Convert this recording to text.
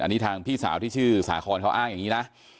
อันนี้ทางพี่สาวที่ชื่อสาคอนเขาอ้างอย่างนี้นะ